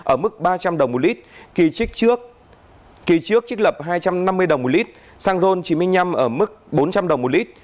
ở mức ba trăm linh đồng một lít kỳ trích trước kỳ trước trích lập hai trăm năm mươi đồng một lít xăng ron chín mươi năm ở mức bốn trăm linh đồng một lít